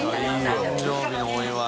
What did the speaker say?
誕生日のお祝い。